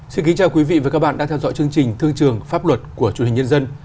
xin kính chào quý vị và các bạn đang theo dõi chương trình thương trường pháp luật của chủ hình nhân dân